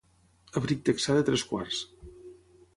Abric texà de tres quarts.